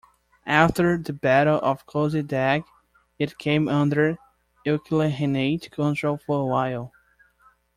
After the Battle of Köse Dağ it came under Ilkhanate control for a while.